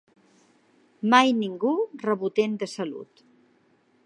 Mai ningú rebotent de salut